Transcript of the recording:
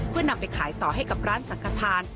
เพื่อนำไปขายต่อให้กับร้านสังขทาน